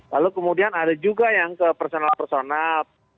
lalu kemudian ada juga yang ke personal personal